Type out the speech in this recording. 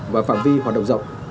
và phạm vi hoạt động rộng